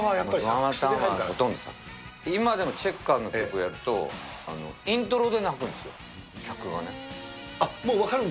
今でもチェッカーズの曲やると、イントロで泣くんですよ、もう分かるんだ。